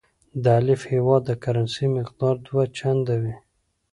د الف هیواد د کرنسۍ مقدار دوه چنده وي.